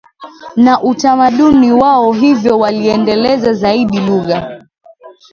na utamaduni wao Hivyo waliendeleza zaidi lugha